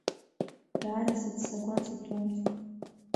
Даара сыццакуан, саҭоумҵан.